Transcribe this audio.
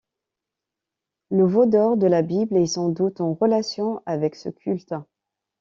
Le veau d'or de la Bible est sans doute en relation avec ce culte.